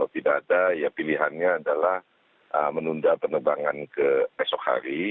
tidak ada ya pilihannya adalah menunda penerbangan ke esok hari